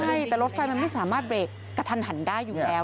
ใช่แต่รถไฟมันไม่สามารถเบรกกระทันหันได้อยู่แล้ว